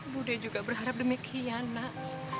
budi juga berharap demikian nak